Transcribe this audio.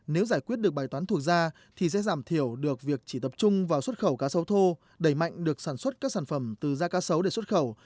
nếu giải quyết được bài toán thuộc ra thì sẽ giảm thiểu được việc chỉ tập trung vào xuất khẩu cá sấu thô đẩy mạnh được sản xuất các sản phẩm từ da cá xấu để xuất khẩu